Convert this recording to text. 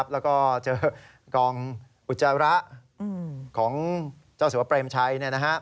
แล้วก็เจอกองอุจจาระของเจ้าสัวเปรมชัย